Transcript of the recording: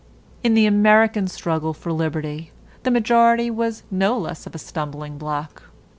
In the American struggle for liberty, the majority was no less of a stumbling block.